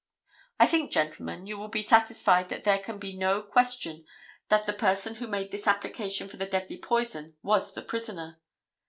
I think, gentlemen, you will be satisfied that there can be no question that the person who made this application for this deadly poison was the prisoner.